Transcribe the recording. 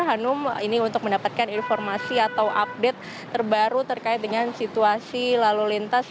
hanum ini untuk mendapatkan informasi atau update terbaru terkait dengan situasi lalu lintas